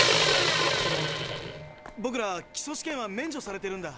そのぼくら基礎試験は免除されてるんだ。